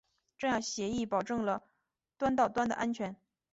这样协议保证了端到端的安全。